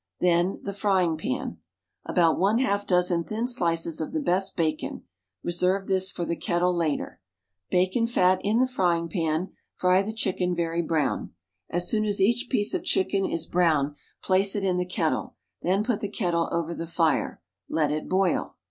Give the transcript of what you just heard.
Then, the frying pan — About one half dozen thin slices of the best bacon. Reserve this for the kettle later. Bacon fat in the frying pan — fry the chicken very brown. As soon as each piece of chicken is brown place it in the kettle — then put the kettle over the fire. Let it boil.